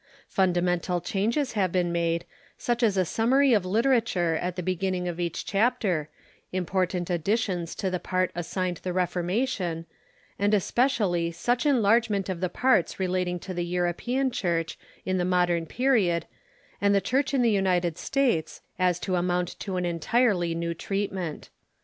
Fundamental changes have been made, such as a summary of literature at the beginning of each chap ter, important additions to the i)art assigned the Reformation, PREFACE and especially such enlargement of the parts relating to the European Church in the Modern Period and the Church in the United States as to amount to an entirely new treatment.